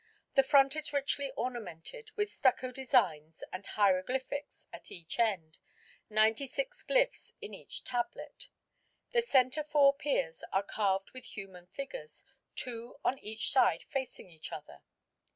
The front is richly ornamented with stucco designs and hieroglyphics at each end, ninety six glyphs in each tablet. The centre four piers are carved with human figures, two on each side facing each other.